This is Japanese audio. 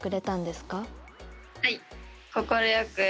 はい。